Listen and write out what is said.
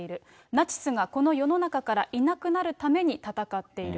ナチスがこの世の中からいなくなるために戦っている。